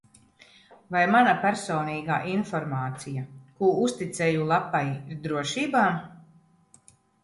Vai mana personīgā informācija, ko uzticēju lapai, ir drošībā?